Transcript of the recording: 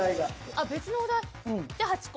あっ別のお題。で８個。